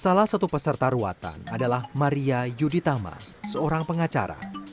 salah satu peserta ruatan adalah maria yuditama seorang pengacara